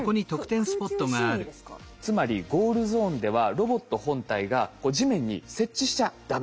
つまりゴールゾーンではロボット本体が地面に接地しちゃダメ。